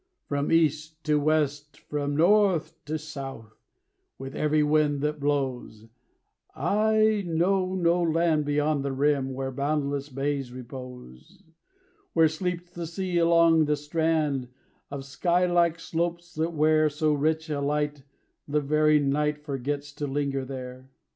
"From East to West, from North to South, With every wind that blows, I know no land beyond the rim Where boundless bays repose; "Where sleeps the sea along the strand Of sky like slopes that wear So rich a light the very night Forgets to linger there.